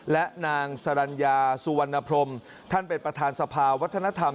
และนางสรรญาสุวรรณพรมท่านเป็นประธานสภาวัฒนธรรม